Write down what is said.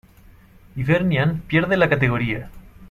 Hibernian pierde la categoría.